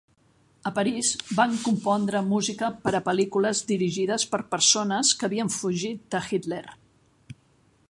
A París, van compondre música per a pel·lícules dirigides per persones que havien fugit de Hitler.